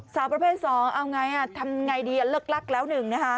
สาวประเภทสองเอาอย่างไรทำอย่างไรดีเลิกลักษณ์แล้วหนึ่งนะคะ